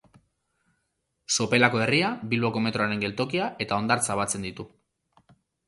Sopelako herria, Bilboko metroaren geltokia eta hondartza batzen ditu.